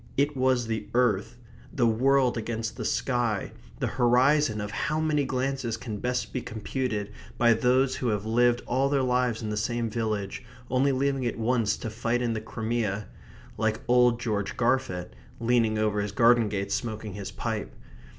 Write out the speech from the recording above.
It was the earth; the world against the sky; the horizon of how many glances can best be computed by those who have lived all their lives in the same village, only leaving it once to fight in the Crimea, like old George Garfit, leaning over his garden gate smoking his pipe.